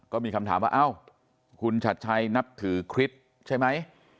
ก็มีคำถามว่าเอ้าคุณชัดชัยนับถือคริสต์ใช่ไหม